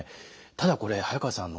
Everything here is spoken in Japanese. ただこれ早川さん